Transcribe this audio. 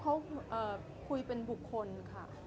เขาคุยเป็นบุคคลค่ะ